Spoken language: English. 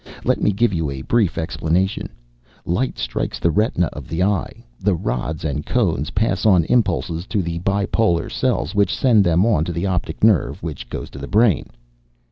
Let me give you a brief explanation: Light strikes the retina of the eye; the rods and cones pass on impulses to the bipolar cells, which send them on to the optic nerve, which goes to the brain